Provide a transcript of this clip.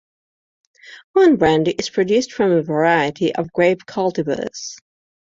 Wine brandy is produced from a variety of grape cultivars.